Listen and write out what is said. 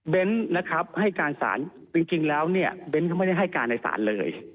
นะครับให้การสารจริงแล้วเนี่ยเบ้นก็ไม่ได้ให้การในศาลเลย